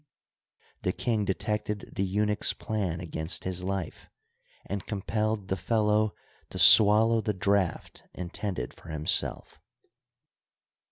The king detected the eunuch's plan against his life, and compelled the fellow to swallow the draught intended for himself.